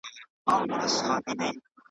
چي جنګ سوړ سو میری تود سو